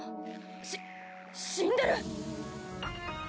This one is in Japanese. し死んでる